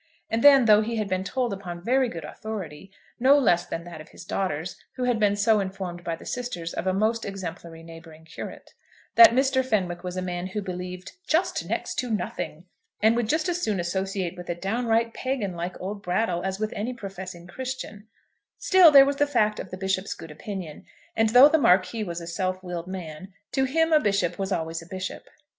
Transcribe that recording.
And then, though he had been told upon very good authority, no less than that of his daughters, who had been so informed by the sisters of a most exemplary neighbouring curate, that Mr. Fenwick was a man who believed "just next to nothing," and would just as soon associate with a downright Pagan like old Brattle, as with any professing Christian, still there was the fact of the Bishop's good opinion; and, though the Marquis was a self willed man, to him a bishop was always a bishop.